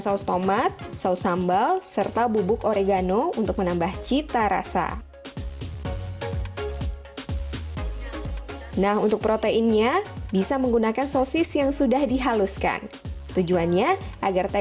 saus tomat saus sambal serta bubuk oregano untuk menambah cita rasa nah untuk proteinnya bisa menggunakan saus tomat dan sambal dengan bubuk oregano untuk menambah cita rasa